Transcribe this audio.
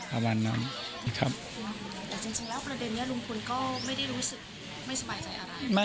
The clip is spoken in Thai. อาวานน้ำครับแต่จริงจริงแล้วประเด็นนี้ลุงคุณก็ไม่ได้รู้สึกไม่สบายใจอะไร